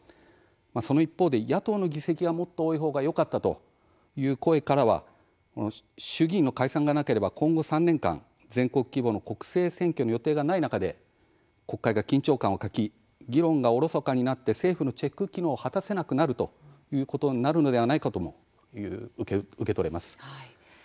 その一方で野党の議席がもっと多いほうがよかったという声からは衆議院の解散がなければ今後３年間、全国規模の国政選挙の予定がない中で国会が緊張感を欠き議論がおろそかになって政府のチェック機能を果たせなくなるということになるのではないかとも受け取れます。